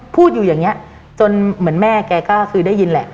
พูดอยู่อย่างนี้จนเหมือนแม่แกก็คือได้ยินแหละ